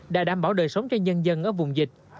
đã đảm bảo đời sống cho nhân dân ở vùng dịch